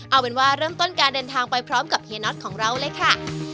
เอาเป็นว่าเริ่มต้นการเดินทางไปพร้อมกับเฮียน็อตของเราเลยค่ะ